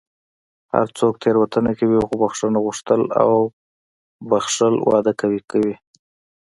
هر څوک تېروتنه کوي، خو بښنه غوښتل او بښل واده قوي کوي.